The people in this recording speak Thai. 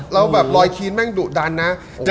แล้วแบบรอยคีนแม่งดุดันนะ